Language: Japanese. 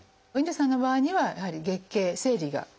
因泥さんの場合にはやはり月経生理が。